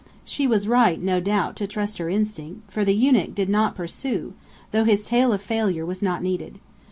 She was right, no doubt, to trust her instinct, for the eunuch did not pursue, though his tale of failure was not needed.